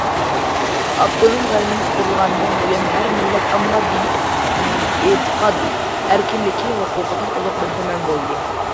ئاپتونوم رايونىمىز قۇرۇلغاندىن بۇيان ھەر مىللەت ئامما دىنىي ئېتىقاد ئەركىنلىكى ھوقۇقىدىن تولۇق بەھرىمەن بولدى.